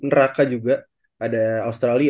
neraka juga ada australia